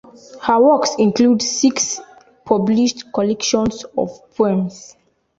Her works include six published collection of poems.